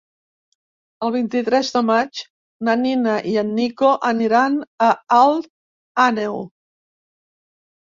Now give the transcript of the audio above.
El vint-i-tres de maig na Nina i en Nico aniran a Alt Àneu.